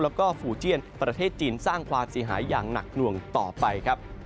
แล้วก็ฟูเจียนประเทศจีนสร้างความเสียหายอย่างหนักหน่วงต่อไปครับ